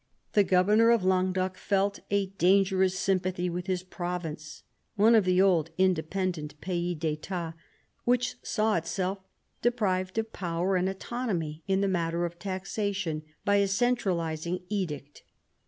The governor of Languedoc felt a dangerous sympathy with his province, one of the old independent pays d'^tats, which saw itself deprived of power and autonomy in the matter of taxation by a centralizing edict.